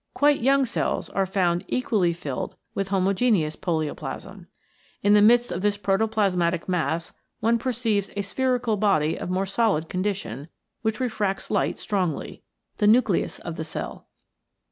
Quite young cells are found equally filled with homogeneous polio plasm. In the midst of this protoplasmatic mass one perceives a spherical body of more solid condi tion which refracts light strongly : the Nucleus of the cell.